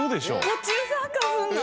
途中参加するの？